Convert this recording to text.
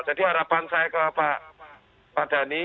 jadi harapan saya ke pak denny